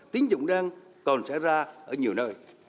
tiến dụng đăng còn xảy ra ở nhiều nơi